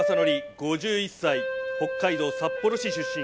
５１歳、北海道札幌市出身。